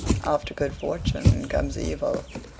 AFTER GOOD FORTUNE COMES EVIL.